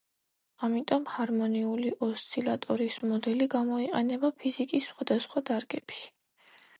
ამიტომ ჰარმონიული ოსცილატორის მოდელი გამოიყენება ფიზიკის სხვადასხვა დარგებში.